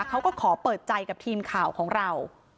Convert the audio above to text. เขาก็ขอเปิดใจกับทีมข่าวของเรา